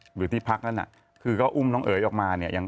หรือที่พักนั้นคือก็อุ้มน้องเอ๋ยออกมาเนี่ย